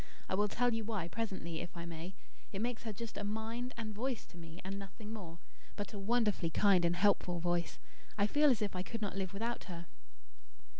I will tell you why presently, if I may. It makes her just a MIND and VOICE to me, and nothing more; but a wonderfully kind and helpful voice. I feel as if I could not live without her."